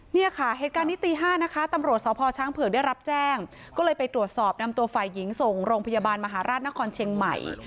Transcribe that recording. เนี่ยค่ะเหตุการณ์นี้ตี๕นะคะตำรวจสพช้างเผือกได้รับแจ้งก็เลยไปตรวจสอบนำตัวฝ่ายหญิงส่งโรงพยาบาลมหาราชนครเชียงใหม่